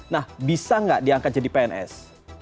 nah bisa nggak diangkat jadi pns